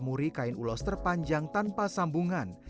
danau maruli kain ulos terpanjang tanpa sambungan